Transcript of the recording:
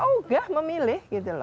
oh tidak memilih